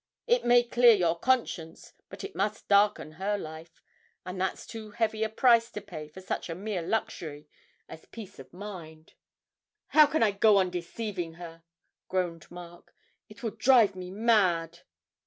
It may clear your conscience, but it must darken her life and that's too heavy a price to pay for such a mere luxury as peace of mind.' 'How can I go on deceiving her?' groaned Mark; 'it will drive me mad!'